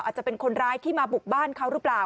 อาจจะเป็นคนร้ายที่มาบุกบ้านเขาหรือเปล่า